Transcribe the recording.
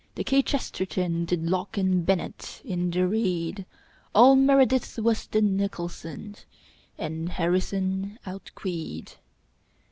The kchesterton Did locke and bennett in the reed. All meredith was the nicholson, And harrison outqueed.